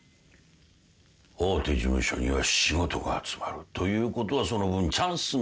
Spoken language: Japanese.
大手事務所には仕事が集まる。ということはその分チャンスも多い。